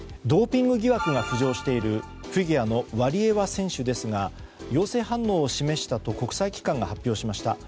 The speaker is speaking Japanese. ドーピング疑惑が浮上しているフィギュアのワリエワ選手ですが陽性反応を示したと国際機関が発表しました。